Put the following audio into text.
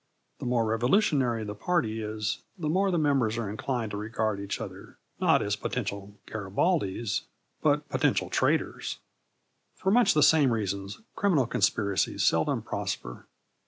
The more revolutionary the party is, the more the members are inclined to regard each other, not as potential Garibaldis, but potential traitors. For much the same reasons criminal conspiracies seldom prosper.